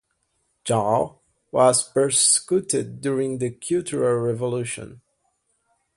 Zhao was persecuted during the Cultural Revolution.